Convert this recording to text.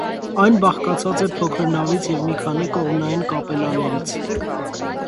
Այն բաղկացած է փոքր նավից և մի քանի կողմնային կապելլաներից։